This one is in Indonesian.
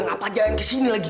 ngapa ngapa jalan ke sini lagi